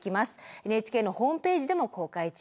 ＮＨＫのホームページでも公開中です。